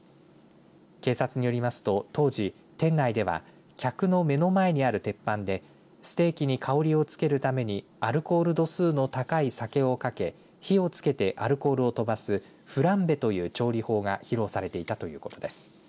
警察によりますと当時、店内では客の目の前にある鉄板でステーキに香りをつけるためにアルコール度数の高い酒をかけ火をつけてアルコールを飛ばすフランベという調理法が披露されていたということです。